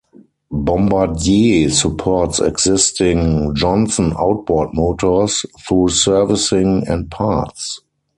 Bombardier supports existing Johnson outboard motors through servicing and parts.